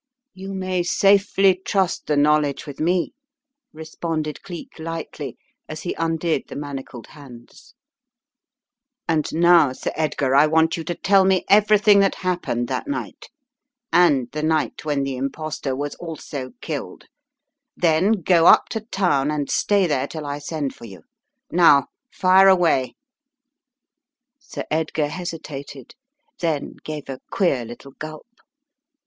"You may safely trust the knowledge with me," responded Cleek, lightly, as he undid the manacled hands. "And now, Sir Edgar, I want you to tell me everything that happened that night, and the night when the imposter was also killed, then go up to town and stay there till I send for you. Now, fire away!" Sir Edgar hesitated, then gave a queer little gulp.